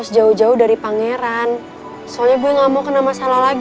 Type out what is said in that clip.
jadi alasannya cuma karena pangeran